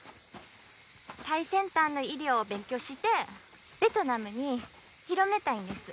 最先端の医療を勉強してベトナムに広めたいんです